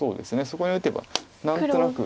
そこに打てば何となく。